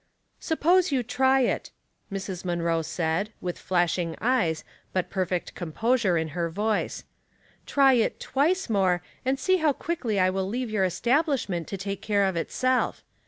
'*" Suppose you try it," Mrs. Munroe said, with flashing eyes, but perfect composure in her voice. *' Try it twice more, and see how quickly I will leave your establishment to take care of itself.